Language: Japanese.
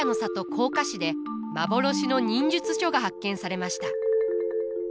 甲賀市で幻の忍術書が発見されました。